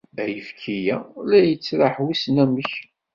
Ayefki-a la yettraḥ wissen amek.